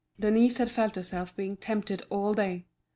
Denise had felt herself being tempted all day.